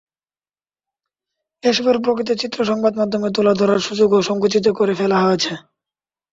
এসবের প্রকৃত চিত্র সংবাদমাধ্যমে তুলে ধরার সুযোগও সংকুচিত করে ফেলা হয়েছে।